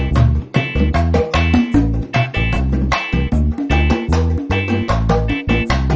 sepatuh buat istri pak